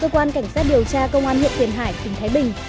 cơ quan cảnh sát điều tra cơ quan huyện tiền hải tỉnh thái bình